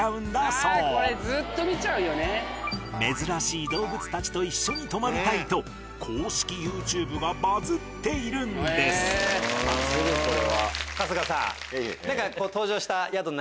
そう珍しい動物たちと一緒に泊まりたいと公式ＹｏｕＴｕｂｅがバズってるんです春日さん。